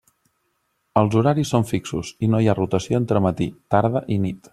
Els horaris són fixos i no hi ha rotació entre matí, tarda i nit.